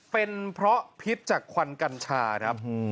เป็นเพราะพิษจากควันกัญชาครับ